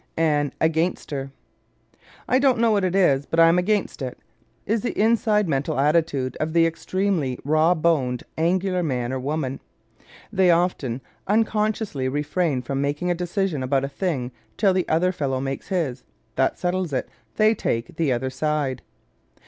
An "Againster" ¶ "I don't know what it is but I'm against it," is the inside mental attitude of the extremely raw boned, angular man or woman. They often, unconsciously, refrain from making a decision about a thing till the other fellow makes his. That settles it; they take the other side.